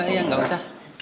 iya gak usah